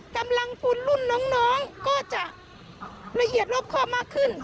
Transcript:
กำลังพลรุ่นน้องก็จะละเอียดรอบครอบมากขึ้น